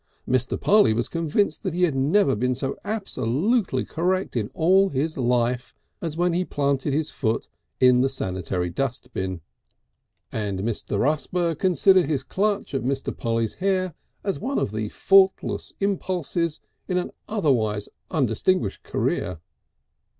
Mr. Polly was convinced he had never been so absolutely correct in all his life as when he planted his foot in the sanitary dustbin, and Mr. Rusper considered his clutch at Mr. Polly's hair as the one faultless impulse in an otherwise undistinguished career.